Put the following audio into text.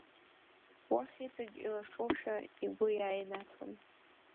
Уахь иҵагь илашоушәа игәы иааинаҭон.